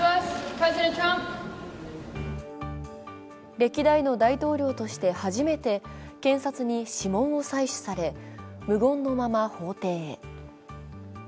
歴代の大統領として初めて検察に指紋を採取され無言のまま法廷へ。